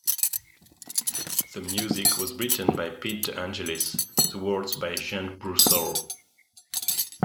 The music was written by Pete De Angelis, the words by Jean Broussolle.